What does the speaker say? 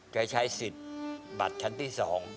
ใช้สิทธิ์บัตรชั้นที่๒